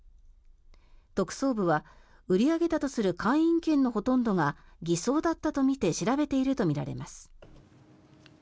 特捜部は売り上げたとする会員権のほとんどが偽装だったとみて調べているとみられます。